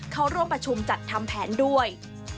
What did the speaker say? เข้าร่วมประชุมจัดทำแผนด้วย